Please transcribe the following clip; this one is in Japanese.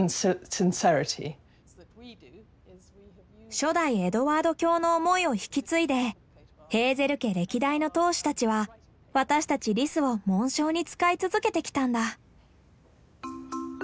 初代エドワード卿の思いを引き継いでヘーゼル家歴代の当主たちは私たちリスを紋章に使い続けてきたんだ。